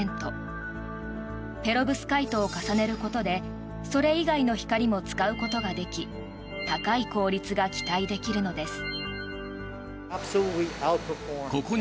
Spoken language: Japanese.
ペロブスカイトを重ねることでそれ以外の光も使うことができ高い効率が期待できるのです。